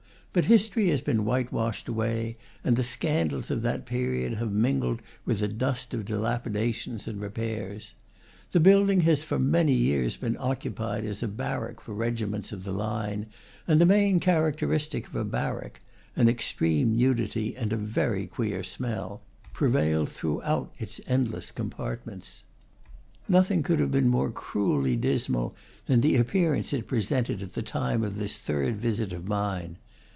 But history has been whitewashed away, and the scandals of that period have mingled with the dust of dilapi dations and repairs. The building has for many years been occupied as a barrack for regiments of the line, and the main characteristics of a barrack an extreme nudity and a very queer smell prevail throughout its endless compartments. Nothing could have been more cruelly dismal than the appearance it presented at the time of this third visit of mine.